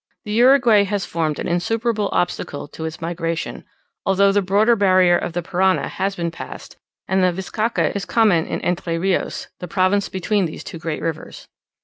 The Uruguay has formed an insuperable obstacle to its migration: although the broader barrier of the Parana has been passed, and the bizcacha is common in Entre Rios, the province between these two great rivers.